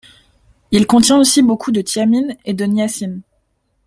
Il contient aussi beaucoup de thiamine et de niacine.